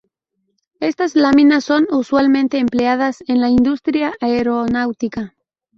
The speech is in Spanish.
Estas láminas son usualmente empleadas en la industria aeronáutica.